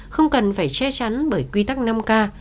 không cần phải che chắn bởi quy tắc năm k